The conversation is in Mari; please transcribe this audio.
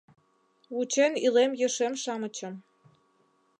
Вучен илем ешем-шамычым.